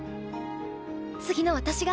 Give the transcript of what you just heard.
次の私が。